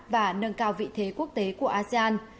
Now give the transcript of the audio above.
và nâng cao vị thế quốc tế của asean